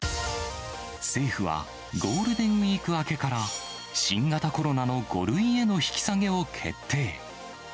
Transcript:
政府はゴールデンウィーク明けから、新型コロナの５類への引き下げを決定。